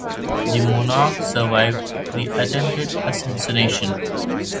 The monarch survived the attempted assassination.